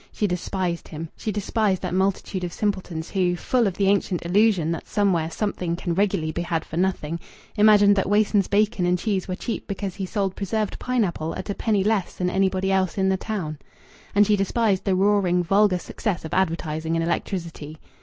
She despised him. She despised that multitude of simpletons who, full of the ancient illusion that somewhere something can regularly be had for nothing, imagined that Wason's bacon and cheese were cheap because he sold preserved pineapple at a penny less than anybody else in the town. And she despised the roaring, vulgar success of advertising and electricity.